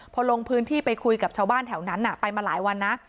พอลงพื้นที่ไปคุยกับชาวบ้านแถวนั้นไปมาหลายวันนะ